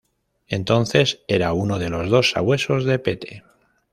Entonces era uno de los dos sabuesos de Pete.